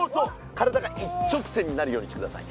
体が一直線になるようにしてください。